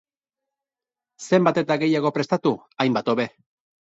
Zenbat eta gehiago prestatu, hainbat hobe.